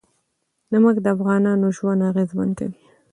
نمک د افغانانو ژوند اغېزمن کوي.